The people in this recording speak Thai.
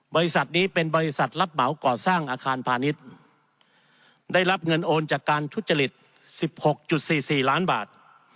บริษัทนี้เป็นบริษัทรับเหมาก่อสร้างอาคารพาณิชย์ได้รับเงินโอนจากการทุจริต๑๖๔๔ล้านบาท